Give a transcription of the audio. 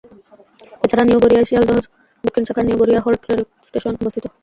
এছাড়া নিউ গড়িয়ায় শিয়ালদহ দক্ষিণ শাখার new Garia halt rail station অবস্থিত।